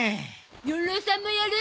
四郎さんもやる？